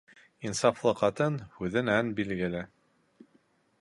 Инсафлы ҡатын һүҙенән билгеле.